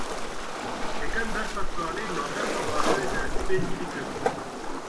Yekem berfa salê navenda bajarê Dêrsimê spî kir.